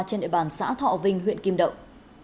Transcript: trên địa bàn xã thọ vinh huyện kim động